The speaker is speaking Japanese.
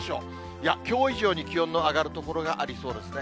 いや、きょう以上に気温の上がる所がありそうですね。